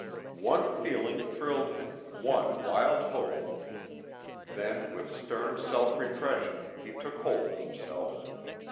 One feeling thrilled him, one wild hope. Then, with stern self repression, he took hold of himself.